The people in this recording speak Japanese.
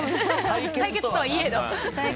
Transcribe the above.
対決とはいえど。